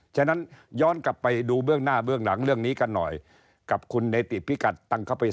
ฉะนั้นย้อนกลับไปดูเบื้องหน้าเบื้องหลัง